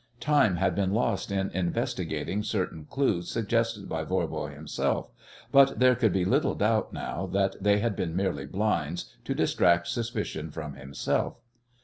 Time had been lost in investigating certain clues suggested by Voirbo himself, but there could be little doubt now that they had been merely blinds to distract suspicion from himself.